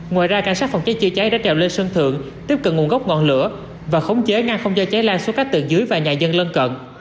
ngoài ra cảnh sát phòng cháy chữa cháy đã treo lên sân thượng tiếp cận nguồn gốc ngọn lửa và khống chế ngăn không cho cháy lan xuống các tầng dưới và nhà dân lân cận